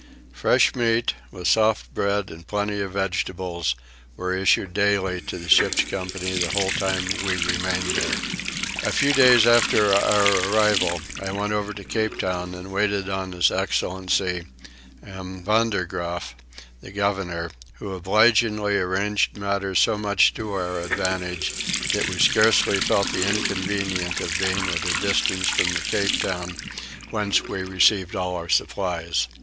Fresh meat, with soft bread and plenty of vegetables, were issued daily to the ship's company the whole time we remained here. A few days after our arrival I went over to Cape Town and waited on his excellency M. Vander Graaf, the governor, who obligingly arranged matters so much to our advantage that we scarcely felt the inconvenience of being at a distance from the Cape Town, whence we received all our supplies.